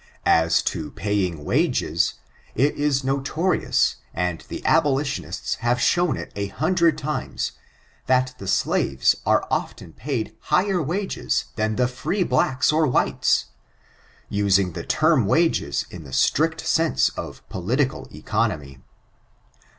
As to paying wages, it is notorious, and the abolitionists have shown it a hundred times, that the slaves are oflen paid higher wages than the free blacks or whites : using the term wages in the strict sense of political economy.